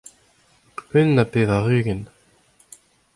unan ha pevar-ugent.